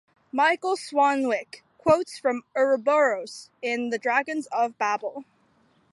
Michael Swanwick quotes from "Ouroboros" in "The Dragons of Babel".